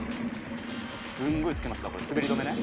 「すごい付けますからこれ滑り止めね」